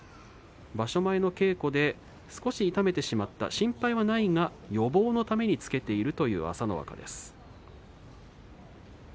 場所前の稽古で少し痛めてしまった、心配はないが予防のためにつけているという朝乃若です。